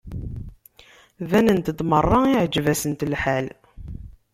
Banent-d merra iεǧeb-asent lḥal.